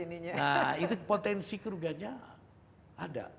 nah itu potensi kerugiannya ada